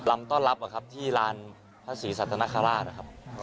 รำต้อนรับที่ร้านพระศรีสัตว์นาคาราช